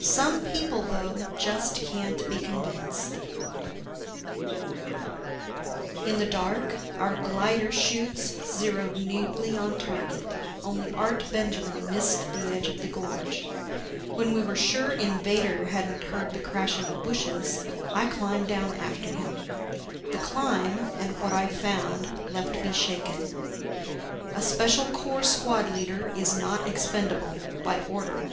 Some people, though, just can't be convinced._ BY ANNE WALKER Illustrated by Bernklau In the dark, our glider chutes zeroed neatly on target only Art Benjamin missed the edge of the gorge. When we were sure Invader hadn't heard the crashing of bushes, I climbed down after him. The climb, and what I found, left me shaken. A Special Corps squad leader is not expendable by order.